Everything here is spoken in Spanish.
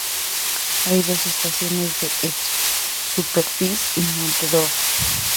Hay dos estaciones de esquí: Super-Besse y Mont-Dore.